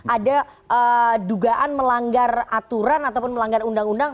ada dugaan melanggar aturan ataupun melanggar undang undang